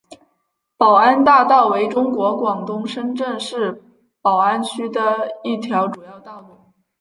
宝安大道为中国广东深圳市宝安区的一条主要道路。